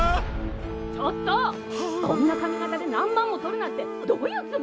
・ちょっとこんなかみがたで何万も取るなんてどういうつもり！？